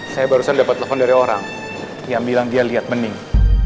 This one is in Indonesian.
saya barusan dapat telepon dari orang yang bilang dia lihat bening